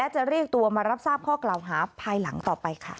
จะเรียกตัวมารับทราบข้อกล่าวหาภายหลังต่อไปค่ะ